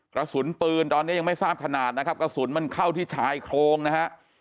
กระสุนปืนตอนนี้ยังไม่ทราบขนาดนะครับกระสุนมันเข้าที่ชายโครงนะฮะ